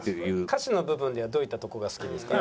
「歌詞の部分ではどういったとこが好きですか？」。